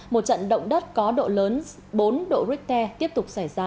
một trận động đất có độ lớn bốn độ richter tiếp tục xảy ra